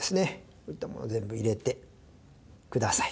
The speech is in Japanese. こういったもの全部入れてください。